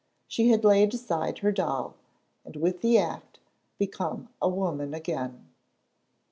She had laid aside her doll, and with the act become a woman again.